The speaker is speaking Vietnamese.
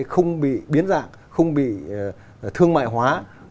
không bị biến dạng không bị thương mại hóa